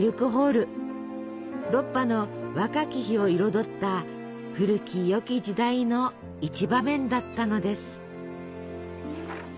ロッパの若き日を彩った古きよき時代の一場面だったのです。